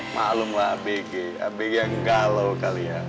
maklumlah abg abg yang galau kali ya